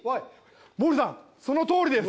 モーリーさんそのとおりです。